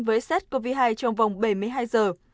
với sars cov hai trong vòng bảy mươi hai giờ